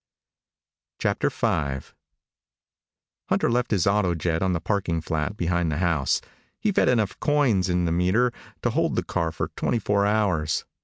V Hunter left his autojet on the parking flat behind the house. He fed enough coins in the meter to hold the car for twenty four hours.